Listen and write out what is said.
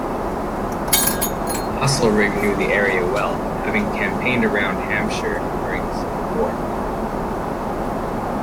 Haselrig knew the area well having campaigned around Hampshire during the civil war.